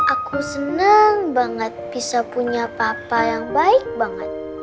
aku senang banget bisa punya papa yang baik banget